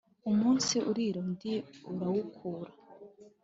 Umunsi urira undi urawukura.